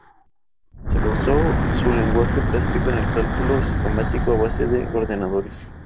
Basó su lenguaje plástico en el cálculo sistemático a base de ordenadores.